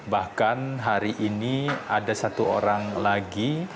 bahkan hari ini ada satu orang lagi